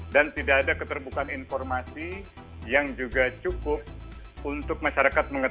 dan tidak ada keterbukaan informasi yang juga cukup untuk masyarakat mengetahui